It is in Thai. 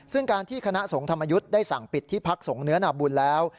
ซึ่งการที่คณะสงฆ์ธรรมยุทธ์ได้สั่งปิดที่พักสงฆ์เนื้อนาบุญแล้ว